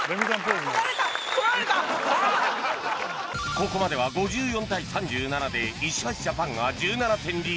ここまでは５４対３７で石橋ジャパンが１７点リード